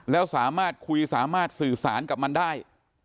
แล้วสามารถคุยสามารถสื่อสารกับมันได้